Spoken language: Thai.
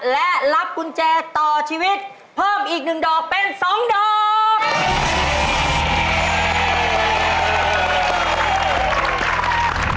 และรับกุญแจต่อชีวิตเพิ่มอีก๑ดอกเป็น๒ดอก